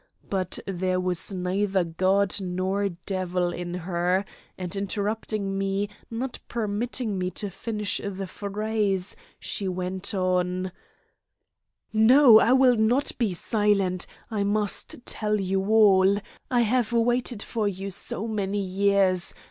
But there was neither God nor devil in her, and interrupting me, not permitting me to finish the phrase, she went on: "No, I will not be silent. I must tell you all. I have waited for you so many years.